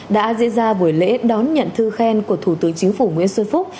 đã diễn ra buổi lễ đón nhận thư khen của thủ tướng chính phủ nguyễn xuân phúc